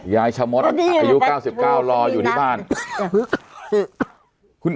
ชะมดอายุ๙๙รออยู่ที่บ้าน